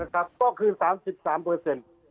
ก็คือ๓๓เปอร์เซ็นต์